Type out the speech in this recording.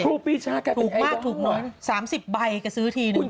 ถูกมากถูกน้อย๓๐ใบการซื้อทีนึง